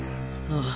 ああ。